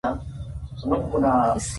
kulila Pia alikutana na mmea wa kakao mara